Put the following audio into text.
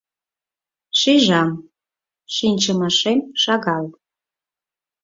Шижам: шинчымашем шагал.